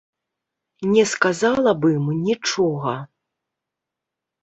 Не сказала б ім нічога.